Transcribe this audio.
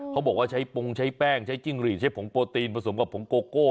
เขาบอกว่าใช้ปงใช้แป้งใช้จิ้งหรีดใช้ผงโปรตีนผสมกับผงโกโก้